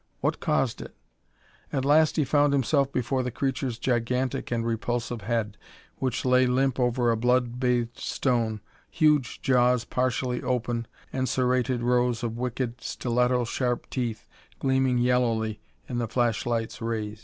What caused it? At last he found himself before the creature's gigantic and repulsive head which lay limp over a blood bathed stone, huge jaws partially open, and serrated rows of wicked, stiletto sharp teeth gleaming yellowly in the flashlight's rays.